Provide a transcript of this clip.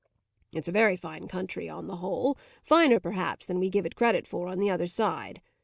It's a very fine country on the whole finer perhaps than what we give it credit for on the other side.